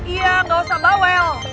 iya gak usah bawel